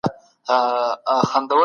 هغوی اوس د کلي د امنيت ساتنه کوي.